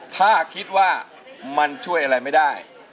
ถ้าคิดว่ามันช่วยอะไรไม่ได้